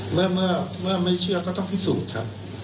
เมื่อไม่เชื่อก็ต้องพิสูจน์ครับ